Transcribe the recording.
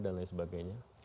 dan lain sebagainya